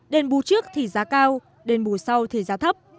đền bù trước thì giá cao đền bù sau thì giá thấp